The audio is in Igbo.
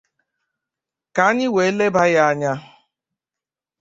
ka anyị wee labàá ya anya